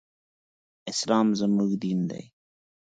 اسلام زموږ دين دی.